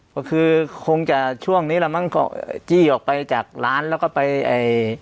ก็คือคงจะช่วงนี้แหละมั้งก็จี้ออกไปจากร้านแล้วก็ไปไอ้